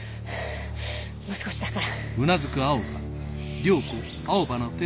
もう少しだから。